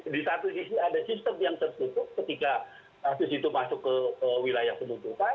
di satu sisi ada sistem yang tertutup ketika kasus itu masuk ke wilayah penuntukan